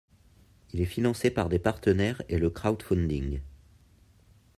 Il est financé par des partenaires et le crowdfunding.